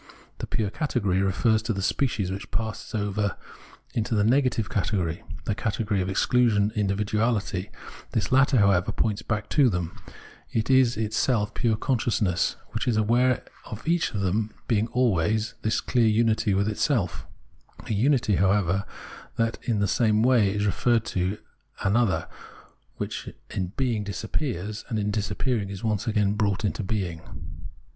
The pure category refers to the species, which pass over into the negative category, the cate gory of excluision, individuahty ; this latter, however, points back to them, it is itself pure consciousness, which is aware in each of them of being always this clear unity with itself — a unity, however, that in the same way is referred to an other, which in being disappears, and in disappearing is once again brought into being.